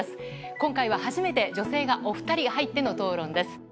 今回は初めて女性がお二人入っての討論です。